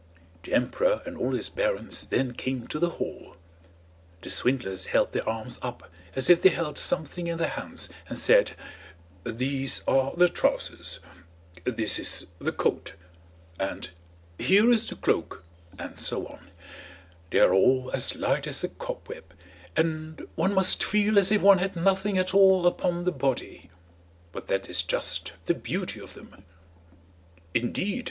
The emperor and all his barons then came to the hall; the swindlers held their arms up as if they held something in their hands and said: "These are the trousers!" "This is the coat!" and "Here is the cloak!" and so on. "They are all as light as a cobweb, and one must feel as if one had nothing at all upon the body; but that is just the beauty of them." "Indeed!"